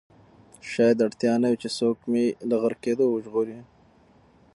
شاید اړتیا نه وي چې څوک مې له غرقېدو وژغوري.